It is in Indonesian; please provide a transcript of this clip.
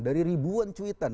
dari ribuan tuntutan